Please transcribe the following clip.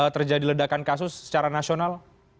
terjadi ledakan kasus secara nasional